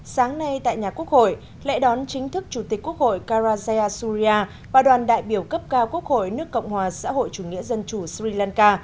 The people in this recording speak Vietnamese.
sáng nay tại nhà quốc hội lễ đón chính thức chủ tịch quốc hội karajaya surya và đoàn đại biểu cấp cao quốc hội nước cộng hòa xã hội chủ nghĩa dân chủ sri lanka